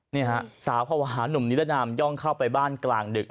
นี่ฮะสาวภาวะหนุ่มนิรนามย่องเข้าไปบ้านกลางดึก